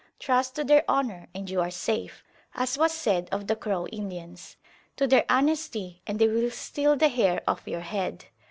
Trust to their honour, and you are safe, as was said of the Crow Indians; to their honesty and they will steal the hair off your head.